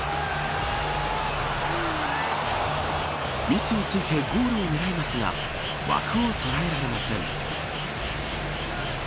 ミスを突いてゴールを狙いますが枠を捉えられません。